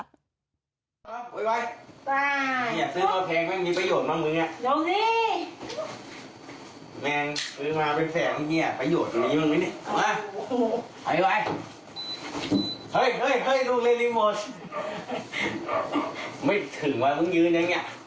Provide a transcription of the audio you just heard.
แบบนี้เนี่ยเหลียบบันไดไม่มีเนี่ยนะ